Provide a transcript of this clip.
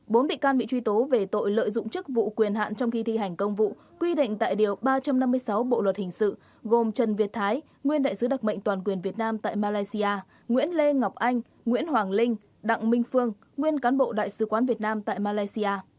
bốn bị can bị truy tố về tội lợi dụng chức vụ quyền hạn trong khi thi hành công vụ quy định tại điều ba trăm năm mươi sáu bộ luật hình sự gồm trần việt thái nguyên đại sứ đặc mệnh toàn quyền việt nam tại malaysia nguyễn lê ngọc anh nguyễn hoàng linh đặng minh phương nguyên cán bộ đại sứ quán việt nam tại malaysia